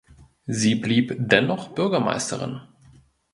Sie blieb dennoch Bürgermeisterin.